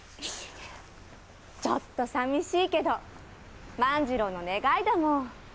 ちょっと寂しいけど万次郎の願いだもん。